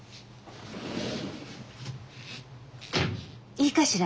いいかしら？